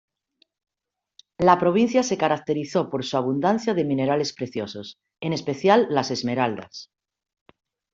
La provincia se caracterizó por su abundancia de minerales preciosos, en especial las esmeraldas.